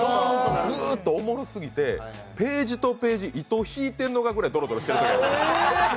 ずーっとおもろすぎて、ページとページ、糸引いてるのかぐらいドロドロしているときがあるから。